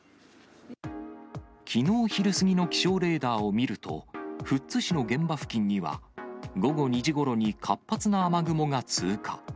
きのう昼過ぎの気象レーダーを見ると、富津市の現場付近には、午後２時ごろに活発な雨雲が通過。